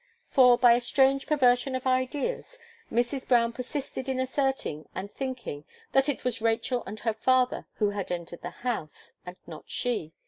For, by a strange perversion of ideas, Mrs. Brown persisted in asserting and thinking that it was Rachel and her father who had entered the house, and not she.